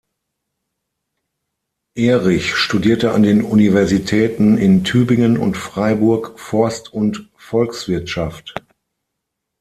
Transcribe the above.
Erich studierte an den Universitäten in Tübingen und Freiburg Forst- und Volkswirtschaft.